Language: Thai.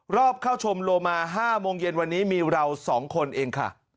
รอบเข้าชมโลมา๕โมงเย็นวันนี้มีเรา๒คนเองค่ะ